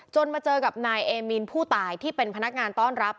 มาเจอกับนายเอมีนผู้ตายที่เป็นพนักงานต้อนรับ